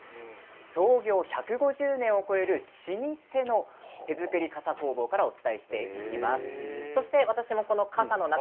創業１５０年を超える老舗の手作り傘工房に来ています。